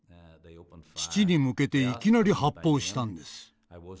父に向けていきなり発砲したんです。